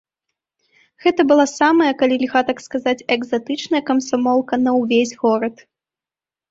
Гэта была самая, калі льга так сказаць, экзатычная камсамолка на ўвесь горад.